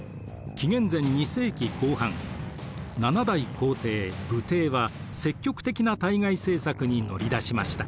紀元前２世紀後半７代皇帝武帝は積極的な対外政策に乗り出しました。